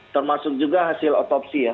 termasuk juga hasil otopsi ya